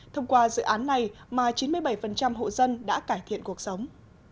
thông qua dự án này mà chín mươi bảy hộ dân đã cải thiện cuộc sống